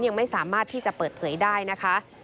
ยังไม่สามารถที่จะเปิดเผยได้นะคะ